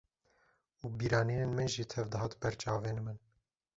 û bîranînên min jî tev dihat ber çavên min